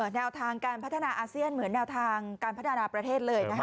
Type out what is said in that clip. แนวทางการพัฒนาอาเซียนเหมือนแนวทางการพัฒนาประเทศเลยนะคะ